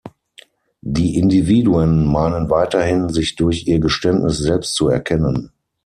Die Individuen meinen weiterhin sich durch ihr Geständnis selbst zu erkennen.